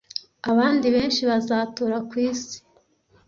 abandi benshi bazatura ku isi